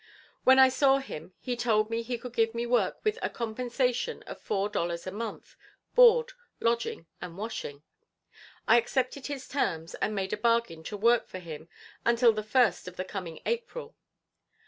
When I saw him he told me he could give me work with a compensation of four dollars a month, board, lodging and washing. I accepted his terms, and made a bargain to work for him until the first of the coming April.